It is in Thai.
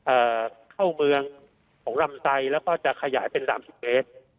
เอ่อเข้าเมืองของลำไสแล้วก็จะขยายเป็นสามสิบเมตร